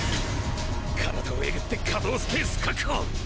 体をえぐって可動スペース確保！